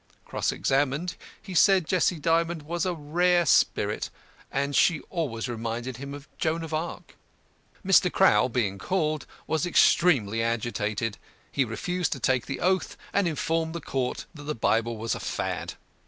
Cross examined, he said Jessie Dymond was a rare spirit and she always reminded him of Joan of Arc. Mr. CROWL, being called, was extremely agitated. He refused to take the oath, and informed the court that the Bible was a Fad.